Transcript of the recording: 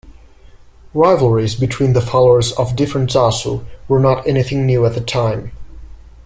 Rivalres between the followers of different "zasu" were not anything new at that time.